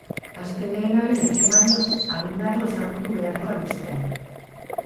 Astelehenari ekin baino arinago ezagutu beharreko albisteak.